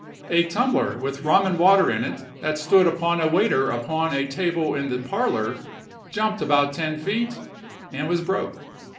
A tumbler with rum and water in it, that stood upon a waiter upon a table in the parlor, jumped about ten feet, and was broke.